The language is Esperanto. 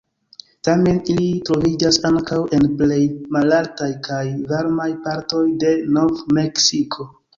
Tamen ili troviĝas ankaŭ en plej malaltaj kaj varmaj partoj de Nov-Meksiko.